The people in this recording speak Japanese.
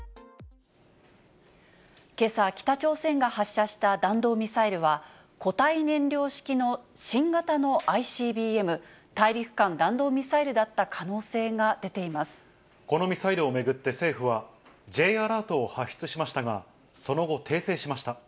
けさ、北朝鮮が発射した弾道ミサイルは、固体燃料式の新型のＩＣＢＭ・大陸間弾道ミサイルだった可能性がこのミサイルを巡って政府は、Ｊアラートを発出しましたが、その後、訂正しました。